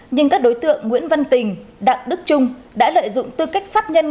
nhưng các đối tượng nguyễn văn tình đặng đức trung đã lợi dụng tư cách pháp nhân